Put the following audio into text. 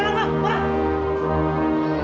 terima kasih semua